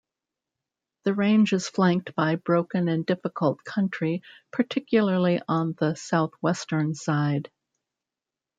The range is flanked by broken and difficult country, particularly on the south-western side.